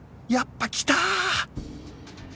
やっぱきた！